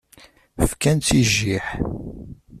Fkant-tt i jjiḥ.